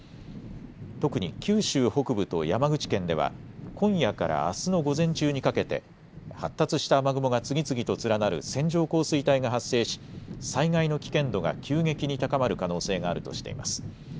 特に九州北部と山口県では今夜からあすの午前中にかけて発達した雨雲が次々と連なる線状降水帯が発生し災害の危険度が急激に高まる可能性があるとしています。